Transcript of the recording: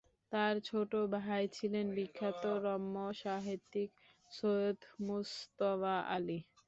তার ছোট ভাই ছিলেন বিখ্যাত রম্য সাহিত্যিক সৈয়দ মুজতবা আলী।